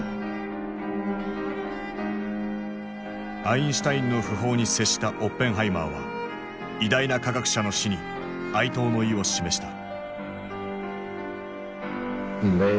アインシュタインの訃報に接したオッペンハイマーは偉大な科学者の死に哀悼の意を示した。